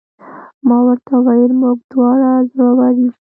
ما ورته وویل: موږ دواړه زړور یو.